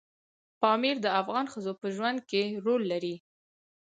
پامیر د افغان ښځو په ژوند کې رول لري.